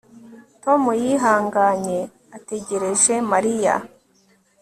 tom yihanganye ategereje mariya